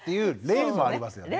例もあります。